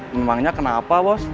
memangnya kenapa bos